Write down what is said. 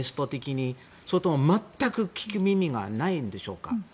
それとも全く聞く耳がないんでしょうか？